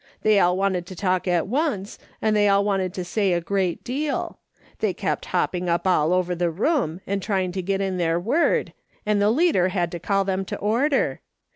They all wanted to talk at once, and they all wanted to say a great deal. They kept hopping up all over the room, and trying to get in their word, and the leader had to call them to order.